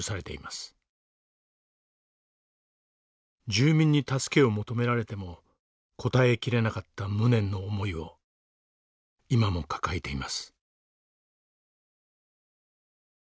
住民に助けを求められても応えきれなかった無念の思いを今も抱えています。